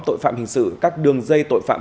tội phạm hình sự các đường dây tội phạm